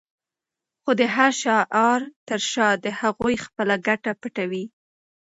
خو د هر شعار تر شا د هغوی خپله ګټه پټه وي.